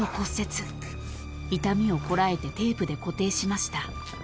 ［痛みをこらえてテープで固定しました］